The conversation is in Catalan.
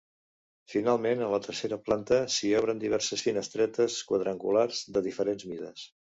Finalment, en la tercera planta s'hi obren diverses finestretes quadrangulars, de diferents mides.